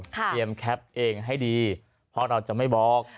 แคปเองให้ดีเพราะเราจะไม่บอก